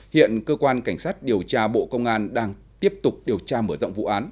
hiện cơ quan cảnh sát điều tra bộ công an đang tiếp tục điều tra mở rộng vụ án